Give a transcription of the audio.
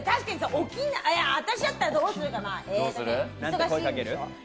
私だったら、どうするかな。